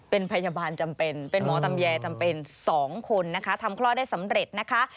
เป็นพยาบาลจำเป็นเป็นหมอตำแยจำเป็น๒คนนะคะทำคลอดได้สำเร็จนะคะ